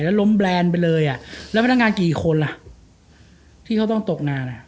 แล้วล้มแรนด์ไปเลยอ่ะแล้วพนักงานกี่คนล่ะที่เขาต้องตกงานอ่ะ